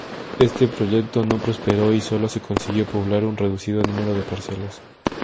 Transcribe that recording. Este proyecto no prosperó y sólo se consiguió poblar un reducido número de parcelas.